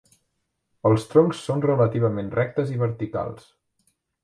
Els troncs són relativament rectes i verticals.